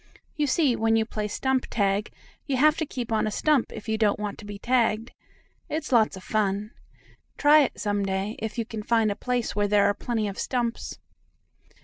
You see, when you play stump tag you have to keep on a stump if you don't want to be tagged. It's lots of fun. Try it some day, if you can find a place where there are plenty of stumps.